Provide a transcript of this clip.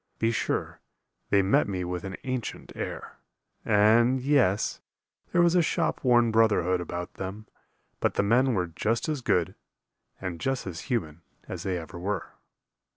Be sure, they met me with an ancient air, And yes, there was a shop worn brotherhood About them; but the men were just as good, And just as human as they ever were.